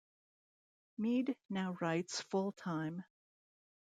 Meade now writes full-time.